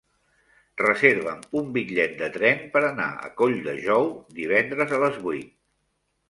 Reserva'm un bitllet de tren per anar a Colldejou divendres a les vuit.